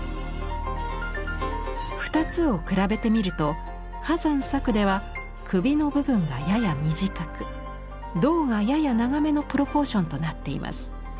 ２つを比べてみると波山作では首の部分がやや短く胴がやや長めのプロポーションとなっています。